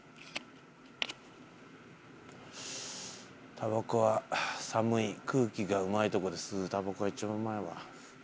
たばこは寒い空気がうまいとこで吸うたばこが一番うまいわ。